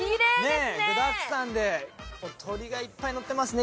具だくさんで、鶏がいっぱいのってますね。